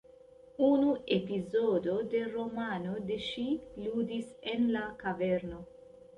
Unu epizodo de romano de ŝi ludis en la kaverno.